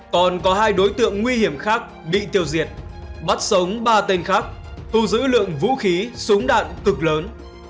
còn có hai đối tượng nguy hiểm khác bị tiêu diệt bắt sống ba tên khác thu giữ lượng vũ khí súng đạn cực lớn